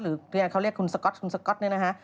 หรือเขาเรียกคุณสก๊อตนี่นะฮะ